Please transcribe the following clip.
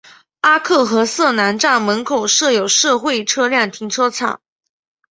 阿克和瑟南站门口设有社会车辆停车场。